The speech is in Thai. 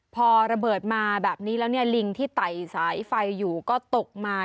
พอระเบิดมาแบบนี้แล้วเนี่ยลิงที่ไต่สายไฟอยู่ก็ตกมา